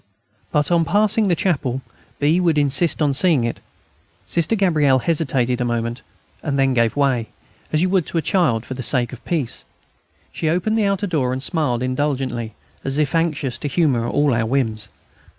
But, on passing the chapel, B. would insist on seeing it. Sister Gabrielle hesitated a moment, and then gave way, as you would to a child for the sake of peace. She opened the outer door, and smiled indulgently, as if anxious to humour all our whims.